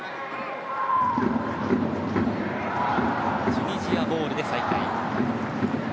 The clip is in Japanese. チュニジアボールで再開。